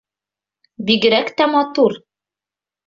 Бигерәк тә матур!